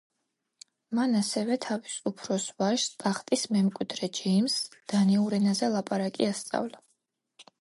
მან ასევე თავის უფროს ვაჟს, ტახტის მემკვიდრე ჯეიმზს დანიურ ენაზე ლაპარაკი ასწავლა.